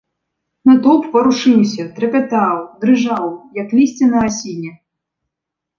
Натоўп варушыўся, трапятаў, дрыжаў, як лісце на асіне.